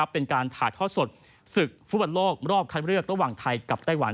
เป็นการถ่ายทอดสดศึกฟุตบอลโลกรอบคัดเลือกระหว่างไทยกับไต้หวัน